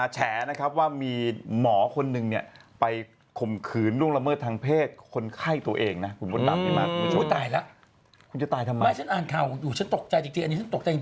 ฉันอ่านข่าวอยู่ฉันตกใจจริงอันนี้ฉันตกใจจริง